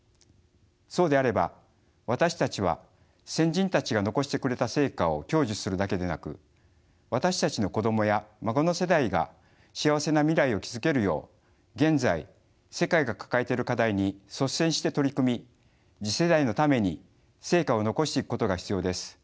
そうであれば私たちは先人たちが残してくれた成果を享受するだけでなく私たちの子供や孫の世代が幸せな未来を築けるよう現在世界が抱えている課題に率先して取り組み次世代のために成果を残していくことが必要です。